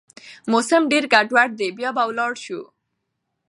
موسم ډېر ګډوډ دی، بيا به لاړ شو